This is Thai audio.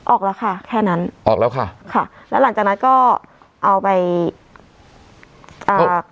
ออกแล้วค่ะแค่นั้นออกแล้วค่ะค่ะแล้วหลังจากนั้นก็เอาไปอ่า